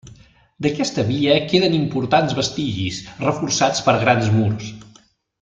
D'aquesta via queden importants vestigis, reforçats per grans murs.